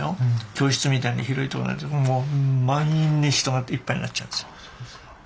教室みたいに広いとこなんですけどもう満員に人がいっぱいになっちゃうんですよ。